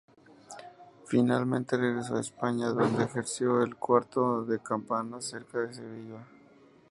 Finalmente, regresó a España, donde ejerció el curato de Campana, cerca de Sevilla.